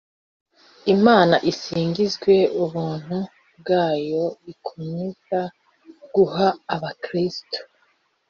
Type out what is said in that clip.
imana isingirizwe ubuntu bwayoikomeza guha abakirisitu